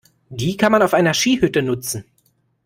Die kann man auf einer Skihütte nutzen.